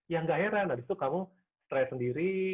ya nggak heran habis itu kamu stres sendiri